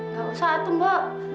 enggak usah atum mbak